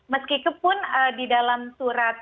meskipun di dalam tuhan